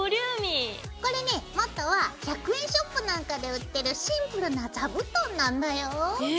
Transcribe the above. これねもとは１００円ショップなんかで売ってるシンプルな座布団なんだよ。え？